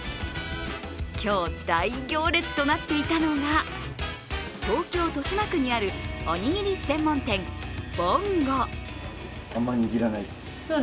今日、大行列となっていたのが東京・豊島区にあるおにぎり専門店、ぼんご。